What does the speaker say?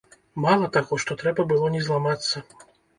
Мала таго, што трэба было не зламацца.